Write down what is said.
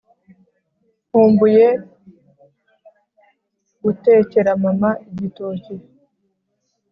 Nkumbuye gutekera mama igitoki